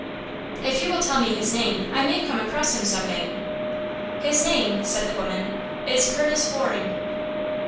"If you will tell me his name, I may come across him some day." "His name," said the woman, "is Curtis Waring."